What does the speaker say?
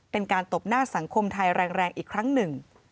ตบหน้าสังคมไทยแรงอีกครั้งหนึ่ง